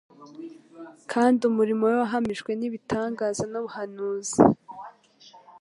kandi umurimo we wahamijwe n'ibitangaza n'ubuhanuzi